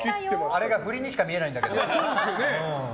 あれがふりにしか見えないんだけど。